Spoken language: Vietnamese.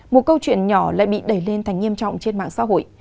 một câu chuyện nhỏ lại bị đẩy lên thành nghiêm trọng trên mạng xã hội